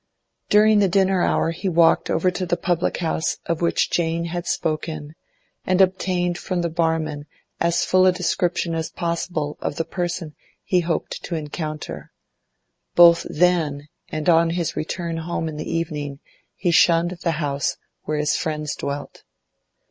During the dinner hour he walked over to the public house of which Jane had spoken, and obtained from the barman as full a description as possible of the person he hoped to encounter. Both then and on his return home in the evening he shunned the house where his friends dwelt.